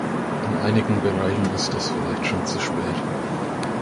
In einigen Bereichen ist es vielleicht schon zu spät.